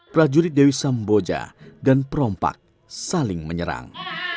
prajurit dewi samboja dan perompak saling menyerang